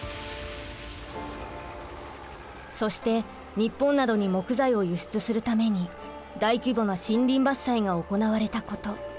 そして日本などに木材を輸出するために大規模な森林伐採が行われたこと。